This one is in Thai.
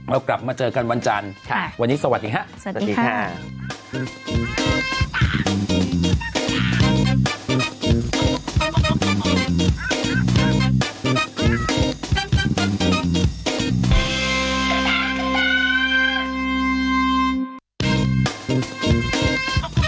แล้วกลับมาเจอกันวันจันทร์วันนี้สวัสดีครับ